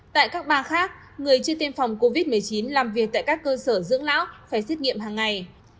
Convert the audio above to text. tại các bang khác người chưa tiêm phòng covid một mươi chín làm việc tại các cơ sở dưỡng lão phải xét nghiệm hàng ngày